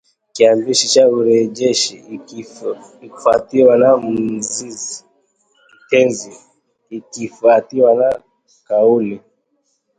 kiambishi cha urejeshi ikifuatiwa na mzizi kitenzi kikifuatiwa na kauli